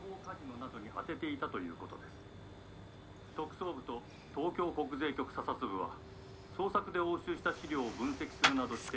特捜部と東京国税局査察部は捜索で押収した資料を分析するなどして」。